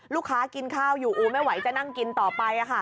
ลูกค้ากินข้าวอยู่อูไม่ไหวจะนั่งกินต่อไป